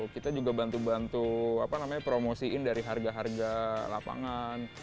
kita juga bantu bantu promosiin dari harga harga lapangan